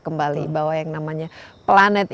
kembali bahwa yang namanya planet